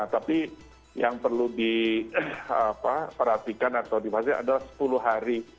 tapi yang perlu diperhatikan adalah sepuluh hari